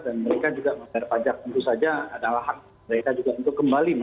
dan mereka juga pemerintah pajak tentu saja adalah hak mereka juga untuk kembali